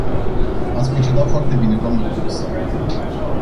Ați procedat foarte bine, dnă comisar.